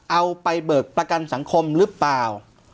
เอาไปเบิกประกันสังคมหรือเปล่า